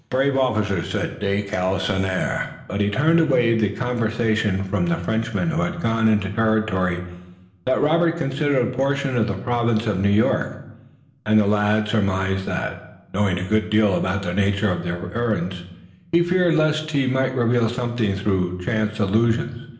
Brave officers!" said de Galisonnière. But he turned away the conversation from the Frenchmen who had gone down into territory that Robert considered a portion of the Province of New York, and the lad surmised that, knowing a good deal about the nature of their errands, he feared lest he might reveal something through chance allusions.